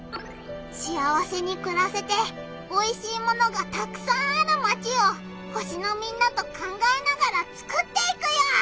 しあわせにくらせておいしいものがたくさんあるマチを星のみんなと考えながらつくっていくよ！